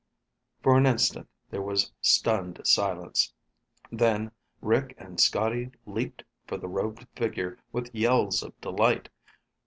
For an instant there was stunned silence, then Rick and Scotty leaped for the robed figure with yells of delight.